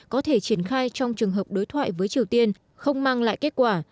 có thể triển khai trong trường hợp đối thoại với triều tiên không mang lại kết quả